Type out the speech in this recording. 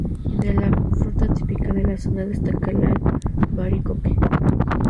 Entre la fruta típica de la zona destaca el albaricoque.